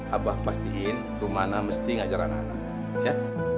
abah pastiin kemana mesti ngajar anak anak ya